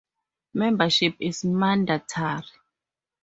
Membership is mandatory.